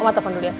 oh matapon dulu ya